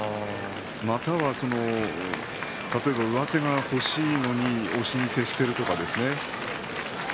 または上手が欲しいのに押しに徹しているとか。